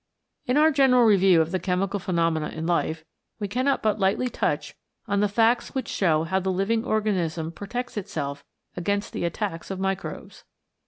In our general review of the chemical phenomena in life we cannot but lightly touch on the facts which show how the living organism protects itself against the attacks of microbes.